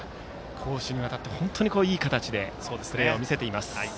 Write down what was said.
攻守にわたって、いい形でプレーを見せています。